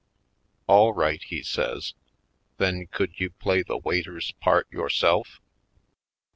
"All right," he says, "then could you play the waiter's part yourself?"